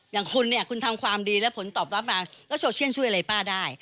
อย่างคุณทำความดีและผลตอบรับมาแล้วโชชั่นช่วยอะไรป้าได้